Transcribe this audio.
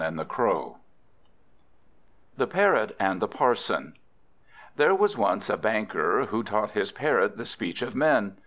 The Parrot and the Parson THERE was once a Banker who taught his Parrot the speech of men.